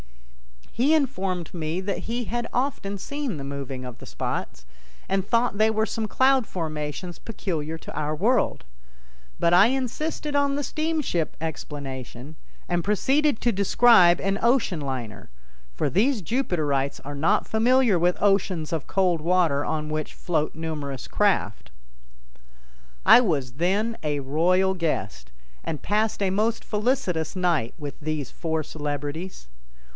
He informed me that he had often seen the moving of the spots, and thought they were some cloud formations peculiar to our world. But I insisted on the steamship explanation and proceeded to describe an ocean liner, for these Jupiterites are not familiar with oceans of cold water on which float numerous craft. I was then a royal guest, and passed a most felicitous night with these four celebrities.